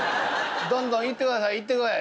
どんどん行って下さい行って下さいよ。